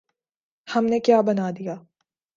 ہم نے کیا بنا دیا؟